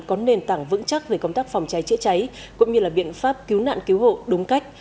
có nền tảng vững chắc về công tác phòng cháy chữa cháy cũng như là biện pháp cứu nạn cứu hộ đúng cách